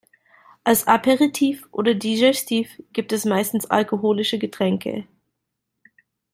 Als Aperitif oder Digestif gibt es meistens alkoholische Getränke.